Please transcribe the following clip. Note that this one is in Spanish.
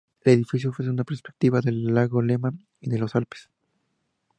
El edificio ofrece una perspectiva del lago Lemán y de los Alpes.